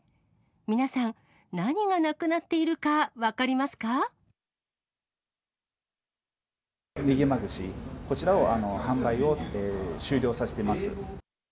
皆さん、何がなくなっているか分ねぎま串、こちらを販売を終了させてます。